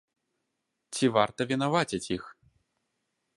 Ці варта вінаваціць іх?